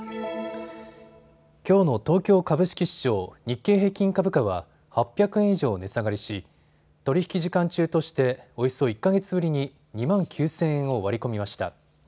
きょうの東京株式市場、日経平均株価は８００円以上値下がりし、取り引き時間中としておよそ１か月ぶりに２万９０００円を割り込みました。